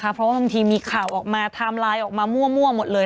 เพราะว่าบางทีมีข่าวออกมาไทม์ไลน์ออกมามั่วหมดเลย